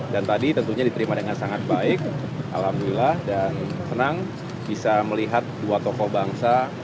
dan tadi tentunya diterima dengan sangat baik alhamdulillah dan senang bisa melihat dua tokoh bangsa